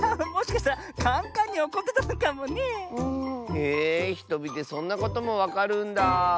へえひとみでそんなこともわかるんだ。